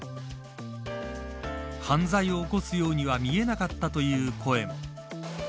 犯罪を起こすようには見えなかったという声も。